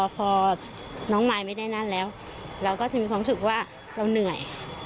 พอน้องมายไม่ได้นั่นแล้วเราก็จะมีความรู้สึกว่าเราเหนื่อย